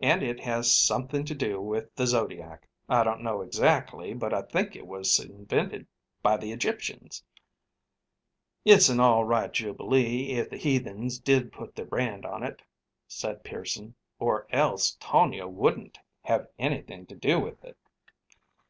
And it has something to do with the Zodiac I don't know exactly, but I think it was invented by the Egyptians." "It's an all right jubilee if the heathens did put their brand on it," said Pearson; "or else Tonia wouldn't have anything to do with it.